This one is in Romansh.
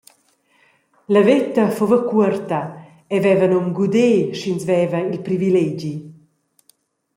La veta fuva cuorta, ei veva num guder, sch’ins veva il privilegi.